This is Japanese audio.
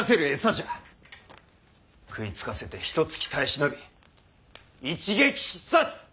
食いつかせてひとつき耐え忍び一撃必殺！